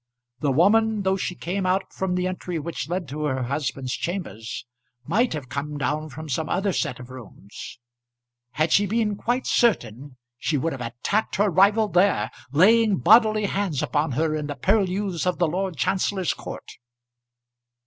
The woman, though she came out from the entry which led to her husband's chambers, might have come down from some other set of rooms. Had she been quite certain she would have attacked her rival there, laying bodily hands upon her in the purlieus of the Lord Chancellor's Court.